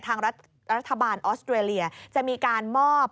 ทางรัฐบาลออสเตรเลียจะมีการมอบ